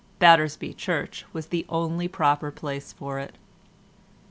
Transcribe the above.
Battersby Church was the only proper place for it.